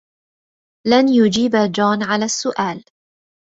لن يجيب جون على السؤال.